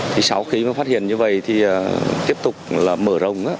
thì sau khi mà phát hiện như vậy thì tiếp tục là mở rộng